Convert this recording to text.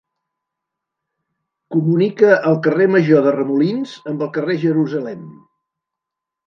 Comunica el Carrer Major de Remolins amb el carrer Jerusalem.